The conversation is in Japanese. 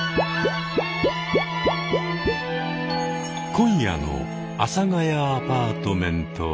今夜の「阿佐ヶ谷アパートメント」は。